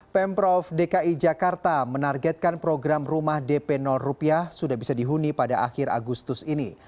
pemprov dki jakarta menargetkan program rumah dp rupiah sudah bisa dihuni pada akhir agustus ini